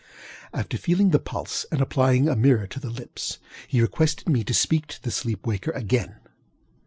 After feeling the pulse and applying a mirror to the lips, he requested me to speak to the sleep waker again.